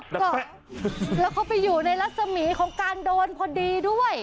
ก็แล้วเขาไปอยู่ในรัศมีร์ของการโดนพอดีด้วย